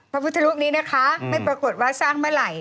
พระพุทธรูปนี้นะคะไม่ปรากฏว่าสร้างเมื่อไหร่